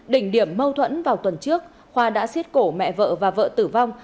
đỉnh điểm mâu thuẫn vào tuần trước khoa đã xiết cổ mẹ vợ và vợ tử vong